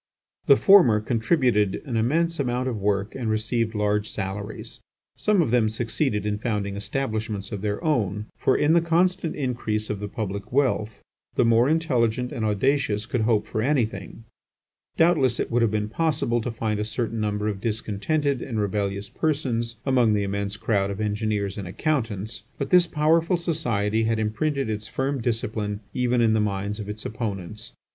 The former contributed an immense amount of work and received large salaries. Some of them succeeded in founding establishments of their own; for in the constant increase of the public wealth the more intelligent and audacious could hope for anything. Doubtless it would have been possible to find a certain number of discontented and rebellious persons among the immense crowd of engineers and accountants, but this powerful society had imprinted its firm discipline even on the minds of its opponents.